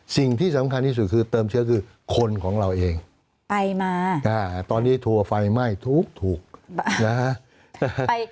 สิ่งที่สำคัญที่สุดคือเติมเชื้อคือคนของเราเองไปมาตอนนี้ทัวร์ไฟไหม้ถูกนะฮะ